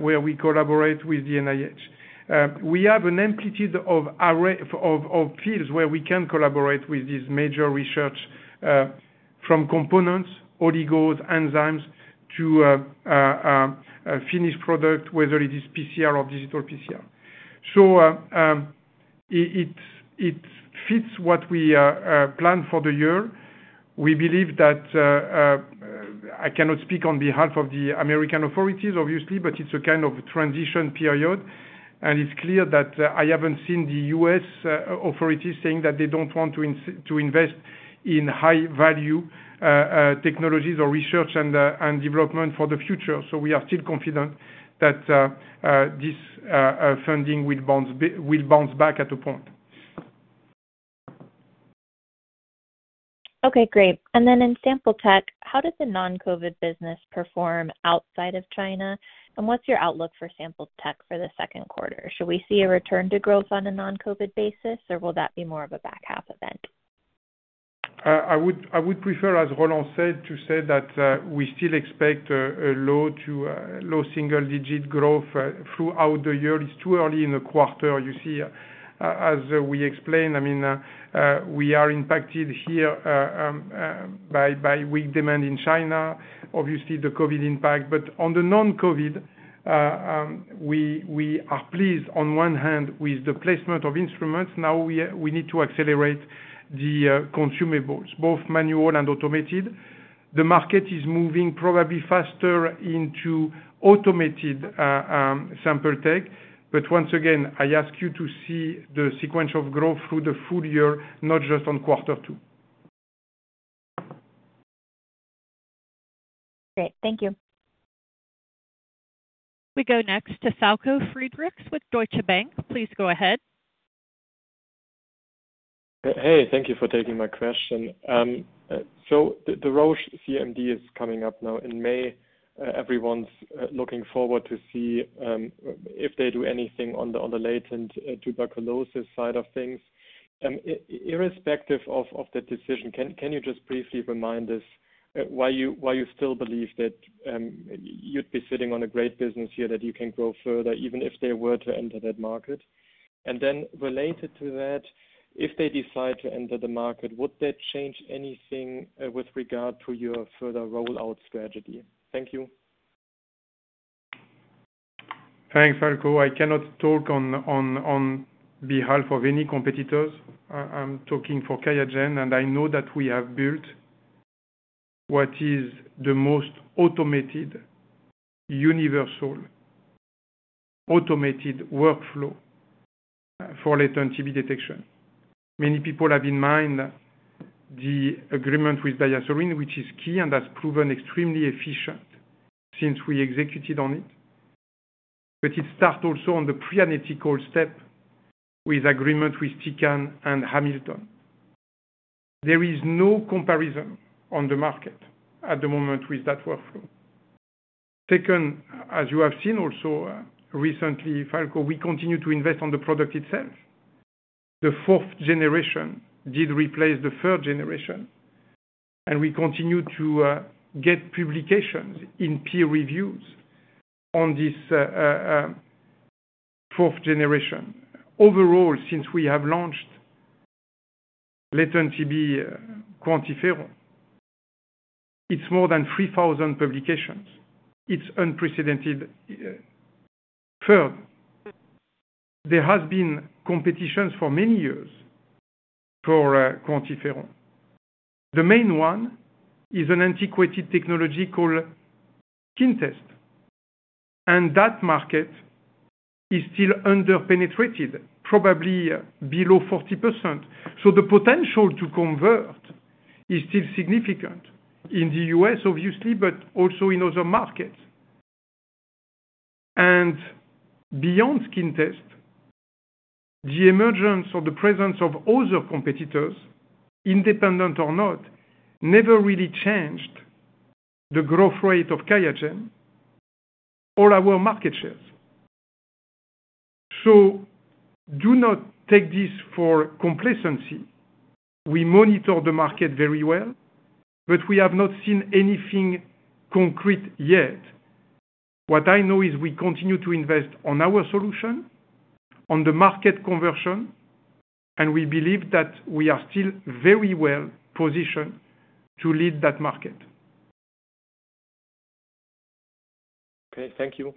where we collaborate with the NIH. We have a wide array of fields where we can collaborate with this major research from components, oligos, enzymes, to a finished product, whether it is PCR or digital PCR. So, it fits what we plan for the year. We believe that I cannot speak on behalf of the American authorities, obviously, but it's a kind of transition period. It's clear that I haven't seen the U.S. authorities saying that they don't want to invest in high value technologies or research and development for the future. So we are still confident that this funding will bounce back at a point. Okay, great. And then in sample tech, how does the non-COVID business perform outside of China? And what's your outlook for sample tech for the second quarter? Should we see a return to growth on a non-COVID basis, or will that be more of a back half event? I would prefer, as Roland said, to say that we still expect a low to low single digit growth throughout the year. It's too early in the quarter. You see, as we explained, I mean, we are impacted here by weak demand in China, obviously the COVID impact. But on the non-COVID, we are pleased on one hand with the placement of instruments. Now we need to accelerate the consumables, both manual and automated. The market is moving probably faster into automated sample tech. But once again, I ask you to see the sequential growth through the full year, not just on quarter two. Great. Thank you. We go next to Falko Friedrichs with Deutsche Bank. Please go ahead. Hey, thank you for taking my question. So the Roche CMD is coming up now in May. Everyone's looking forward to see if they do anything on the latent tuberculosis side of things. Irrespective of the decision, can you just briefly remind us why you still believe that you'd be sitting on a great business here, that you can grow further, even if they were to enter that market? And then related to that, if they decide to enter the market, would that change anything with regard to your further rollout strategy? Thank you. Thanks, Falko. I cannot talk on behalf of any competitors. I'm talking for QIAGEN, and I know that we have built what is the most automated, universal, automated workflow for latent TB detection. Many people have in mind the agreement with DiaSorin, which is key and has proven extremely efficient since we executed on it. But it starts also on the pre-analytical step with agreement with Tecan and Hamilton. There is no comparison on the market at the moment with that workflow. Second, as you have seen also, recently, Falko, we continue to invest on the product itself. The fourth generation did replace the third generation, and we continue to get publications in peer reviews on this fourth generation. Overall, since we have launched latent TB QuantiFERON, it's more than 3,000 publications. It's unprecedented. Third, there has been competition for many years for QuantiFERON. The main one is an antiquated technology called skin test, and that market is still under-penetrated, probably below 40%. So the potential to convert is still significant in the U.S., obviously, but also in other markets. And beyond skin test, the emergence or the presence of other competitors, independent or not, never really changed the growth rate of QIAGEN or our market shares. So do not take this for complacency... We monitor the market very well, but we have not seen anything concrete yet. What I know is we continue to invest on our solution, on the market conversion, and we believe that we are still very well positioned to lead that market. Okay, thank you.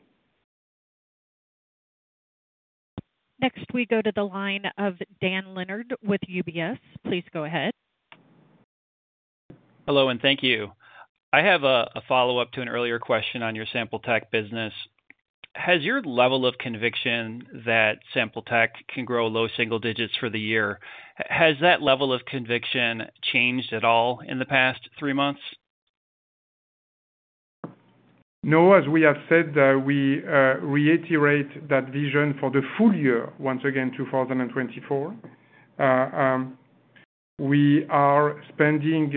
Next, we go to the line of Dan Leonard with UBS. Please go ahead. Hello, and thank you. I have a follow-up to an earlier question on your Sample Tech business. Has your level of conviction that Sample Tech can grow low single digits for the year, has that level of conviction changed at all in the past three months? No, as we have said, we reiterate that vision for the full year, once again, 2024. We are spending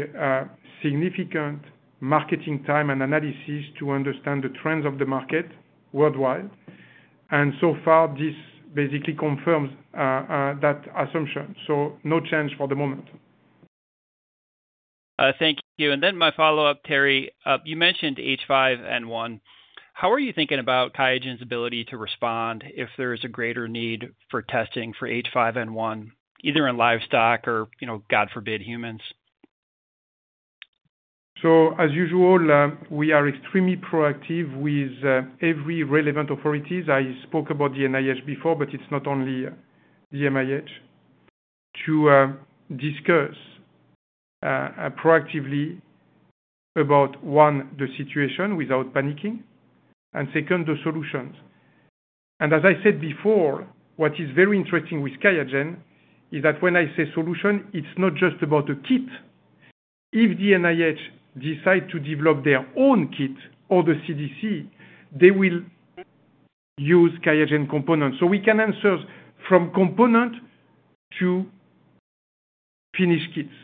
significant marketing time and analysis to understand the trends of the market worldwide, and so far, this basically confirms that assumption. So no change for the moment. Thank you. And then my follow-up, Thierry, you mentioned H5N1. How are you thinking about QIAGEN's ability to respond if there is a greater need for testing for H5N1, either in livestock or, you know, God forbid, humans? So as usual, we are extremely proactive with every relevant authorities. I spoke about the NIH before, but it's not only the NIH, to discuss proactively about, one, the situation without panicking, and second, the solutions. And as I said before, what is very interesting with QIAGEN is that when I say solution, it's not just about a kit. If the NIH decide to develop their own kit or the CDC, they will use QIAGEN components. So we can answer from component to finished kits,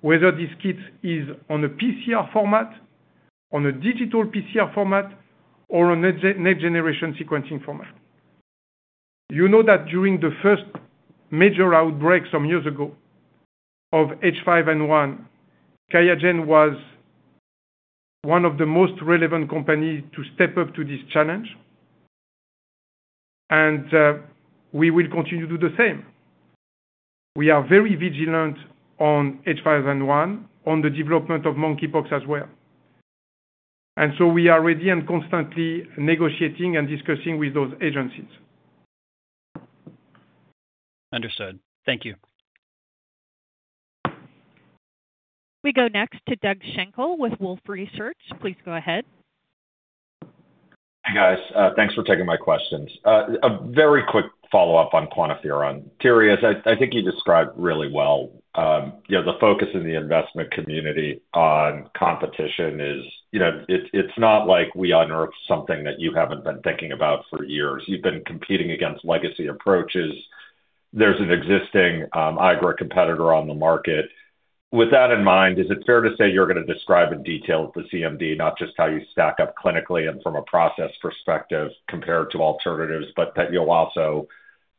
whether this kit is on a PCR format, on a digital PCR format, or a next-generation sequencing format. You know that during the first major outbreak some years ago of H5N1, QIAGEN was one of the most relevant companies to step up to this challenge, and we will continue to do the same. We are very vigilant on H5N1, on the development of Monkeypox as well. And so we are ready and constantly negotiating and discussing with those agencies. Understood. Thank you. We go next to Doug Schenkel with Wolfe Research. Please go ahead. Hi, guys. Thanks for taking my questions. A very quick follow-up on QuantiFERON. Thierry, I think you described really well, you know, the focus in the investment community on competition is. You know, it's not like we unearthed something that you haven't been thinking about for years. You've been competing against legacy approaches. There's an existing IGRA competitor on the market. With that in mind, is it fair to say you're gonna describe in detail at the CMD, not just how you stack up clinically and from a process perspective compared to alternatives, but that you'll also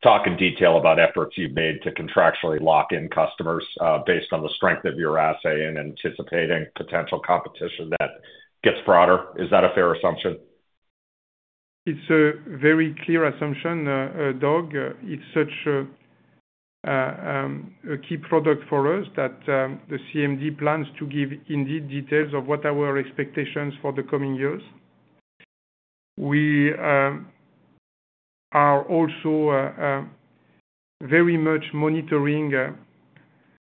talk in detail about efforts you've made to contractually lock in customers, based on the strength of your assay and anticipating potential competition that gets broader? Is that a fair assumption? It's a very clear assumption, Doug. It's such a key product for us that the CMD plans to give indeed details of what are our expectations for the coming years. We are also very much monitoring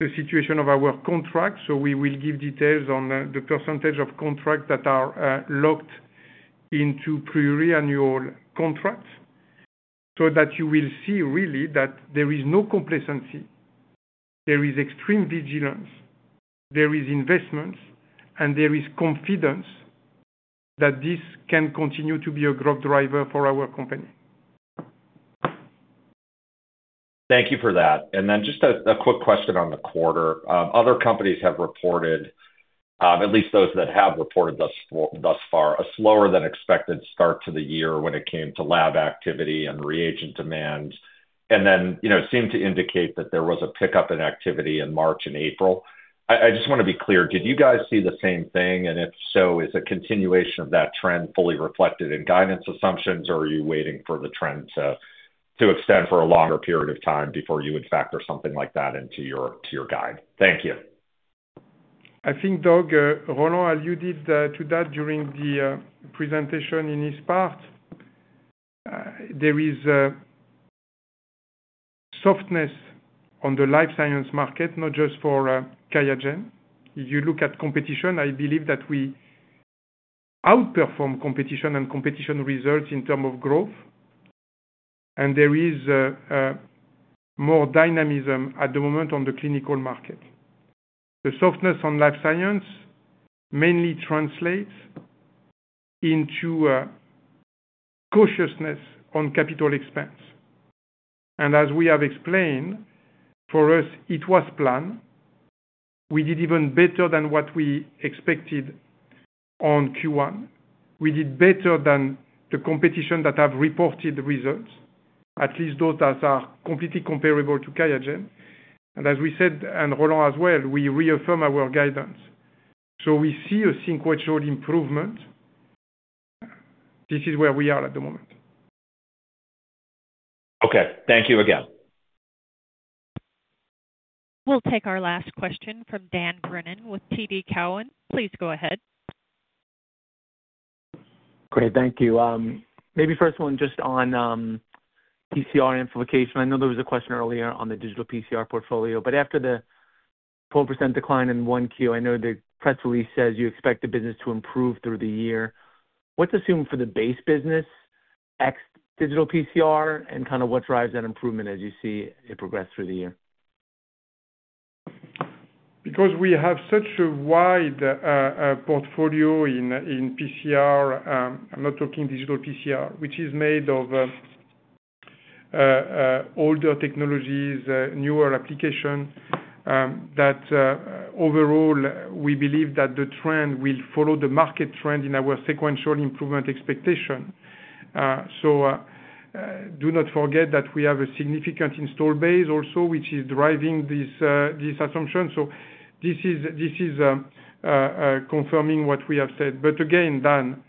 the situation of our contracts, so we will give details on the percentage of contracts that are locked into pre-annual contracts. So that you will see really that there is no complacency, there is extreme vigilance, there is investments, and there is confidence that this can continue to be a growth driver for our company. Thank you for that. Then just a quick question on the quarter. Other companies have reported, at least those that have reported thus far, a slower than expected start to the year when it came to lab activity and reagent demand. And then, you know, it seemed to indicate that there was a pickup in activity in March and April. I just wanna be clear, did you guys see the same thing? And if so, is the continuation of that trend fully reflected in guidance assumptions, or are you waiting for the trend to extend for a longer period of time before you would factor something like that into your guide? Thank you. I think, Doug, Roland alluded to that during the presentation in his part. There is a softness on the life science market, not just for QIAGEN. If you look at competition, I believe that we outperform competition and competition results in term of growth. And there is a more dynamism at the moment on the clinical market. The softness on life science mainly translates into a cautiousness on capital expense. And as we have explained, for us, it was planned. We did even better than what we expected... on Q1. We did better than the competition that have reported the results, at least those that are completely comparable to QIAGEN. And as we said, and Roland as well, we reaffirm our guidance. So we see a sequential improvement. This is where we are at the moment. Okay. Thank you again. We'll take our last question from Dan Brennan with TD Cowen. Please go ahead. Great, thank you. Maybe first one just on PCR amplification. I know there was a question earlier on the digital PCR portfolio, but after the 12% decline in 1Q, I know the press release says you expect the business to improve through the year. What's assumed for the base business, X, digital PCR, and kinda what drives that improvement as you see it progress through the year? Because we have such a wide portfolio in PCR, I'm not talking digital PCR, which is made of older technologies, newer application, that overall, we believe that the trend will follow the market trend in our sequential improvement expectation. So do not forget that we have a significant install base also, which is driving this assumption. So this is confirming what we have said. But again, Dan,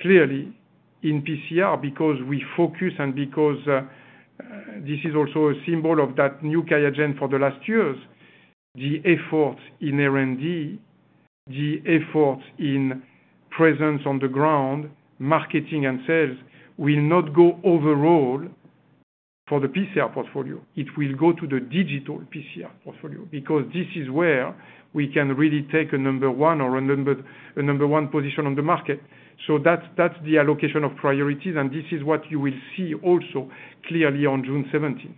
clearly in PCR, because we focus and because this is also a symbol of that new QIAGEN for the last years, the effort in R&D, the effort in presence on the ground, marketing and sales, will not go overall for the PCR portfolio. It will go to the Digital PCR portfolio, because this is where we can really take a number one or a numbered, a number one position on the market. So that's, that's the allocation of priorities, and this is what you will see also clearly on June seventeenth.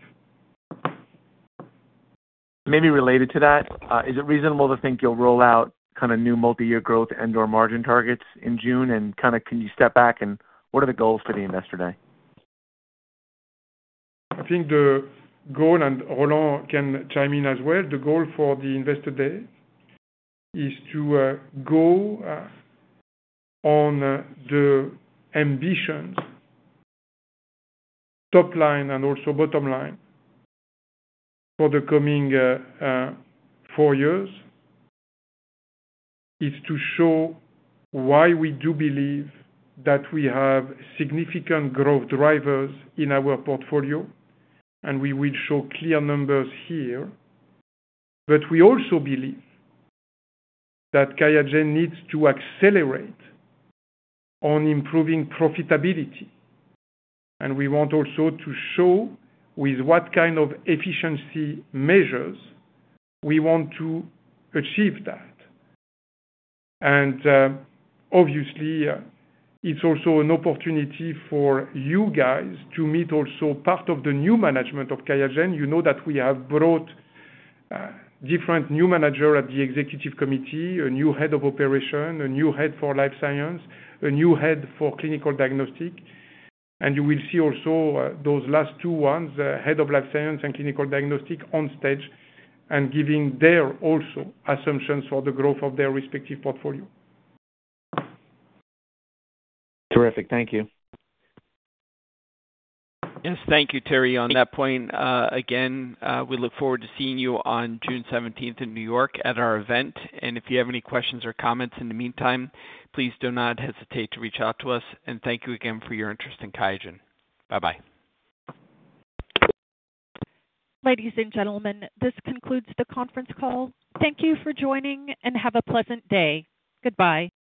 Maybe related to that, is it reasonable to think you'll roll out kinda new multi-year growth and/or margin targets in June? And kinda can you step back, and what are the goals for the Investor Day? I think the goal, and Roland can chime in as well, the goal for the Investor Day is to go on the ambitions, top line and also bottom line, for the coming four years. It is to show why we do believe that we have significant growth drivers in our portfolio, and we will show clear numbers here. But we also believe that QIAGEN needs to accelerate on improving profitability, and we want also to show with what kind of efficiency measures we want to achieve that. And obviously, it's also an opportunity for you guys to meet also part of the new management of QIAGEN. You know that we have brought different new manager at the executive committee, a new head of operation, a new head for life science, a new head for clinical diagnostic. You will see also those last two ones, the head of Life Sciences and Clinical Diagnostics, on stage and giving their also assumptions for the growth of their respective portfolio. Terrific. Thank you. Yes, thank you, Terry. On that point, again, we look forward to seeing you on June seventeenth in New York at our event. If you have any questions or comments in the meantime, please do not hesitate to reach out to us. Thank you again for your interest in QIAGEN. Bye-bye. Ladies and gentlemen, this concludes the conference call. Thank you for joining, and have a pleasant day. Goodbye.